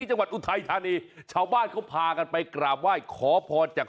ที่จังหวัดอุทัยธานีชาวบ้านเขาพากันไปกราบว่ายขอพอจาก